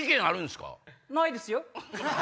ないですよ。